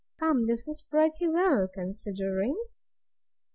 Come, this is pretty well, considering.